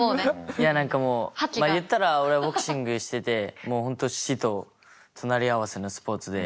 いや何かもう言ったら俺はボクシングしててもう本当死と隣り合わせのスポーツで。